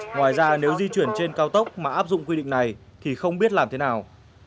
ngoài ra nếu di chuyển trên cao tốc mà áp dụng quy định này thì không biết làm thế nào